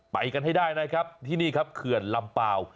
ไปกันให้ได้นะครับที่นี่ครับเขื่อนลำเปล่า